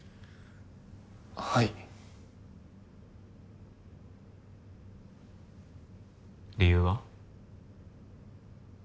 はい理由は？